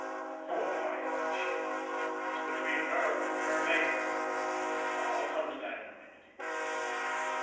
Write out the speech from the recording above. Who am I, that I should ? It is between her and her Maker. I'll come to that in a minute.